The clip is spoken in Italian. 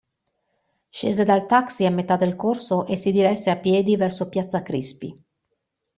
Scese dal taxi a metà del corso e si diresse a piedi verso piazza Crispi.